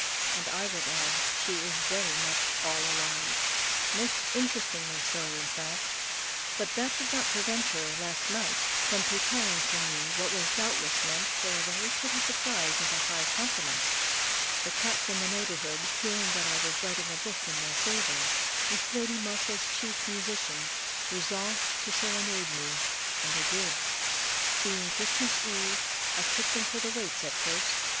And I would add, she is very much all alive, most interestingly so, in fact. But that did not prevent her, last night, from preparing for me, what was doubtless meant for a very pretty surprise and a high compliment. The cats in the neighbourhood, hearing that I was writing a book in their favour, with Lady Muff as chief musician, resolved to serenade me; and they did. Being Christmas eve, I took them for the waits at first.